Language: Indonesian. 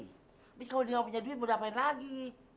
tapi kalau dia tidak punya uang mau dapatkan lagi